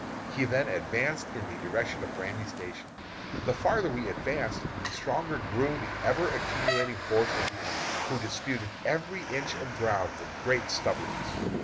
He then advanced in the direction of Brandy Station. The farther we advanced the stronger grew the ever accumulating force of the enemy, who disputed every inch of ground with great stubbornness.